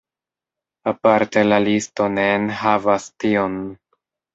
Aparte la listo ne enhavas tion.